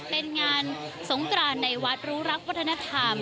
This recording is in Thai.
เป็นงานสงกรานในวัดรู้รักวัฒนธรรม